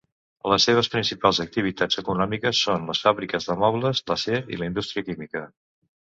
Les seves principals activitats econòmiques són les fàbriques de mobles, l'acer i la indústria química.